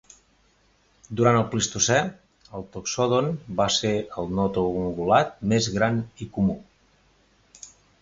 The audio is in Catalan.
Durant el plistocè, el "Toxodon" va ser el notoungulat més gran i comú.